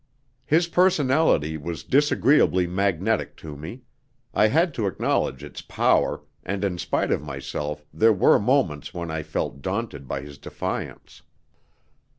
His personality was disagreeably magnetic to me. I had to acknowledge its power, and in spite of myself there were moments when I felt daunted by his defiance.